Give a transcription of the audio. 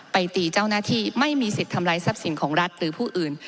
ตีเจ้าหน้าที่ไม่มีสิทธิ์ทำลายทรัพย์สินของรัฐหรือผู้อื่น